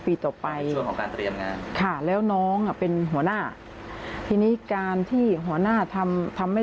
ปีต่อไปแล้วน้องเป็นหัวหน้าที่นี้การที่หัวหน้าทำทำไม่